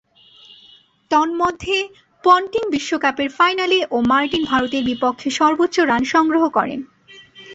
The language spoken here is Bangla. তন্মধ্যে পন্টিং বিশ্বকাপের ফাইনালে ও মার্টিন ভারতের বিপক্ষে সর্বোচ্চ রান সংগ্রহ করেন।